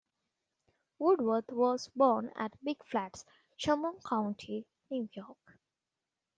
Woodworth was born at Big Flats, Chemung County, New York.